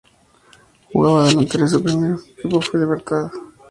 Jugaba de delantero y su primer club fue Libertad.